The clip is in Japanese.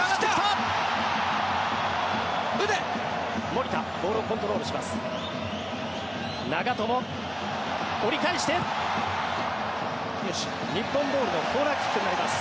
守田、ボールをコントロールしています。